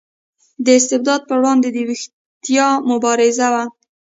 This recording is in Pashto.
د استبداد پر وړاندې د ویښتیا مبارزه وه.